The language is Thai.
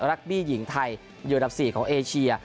รักบี้หญิงไทยเดียวดับ๔ของเอเชีย